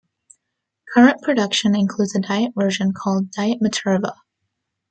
Current production includes a diet version called Diet Materva.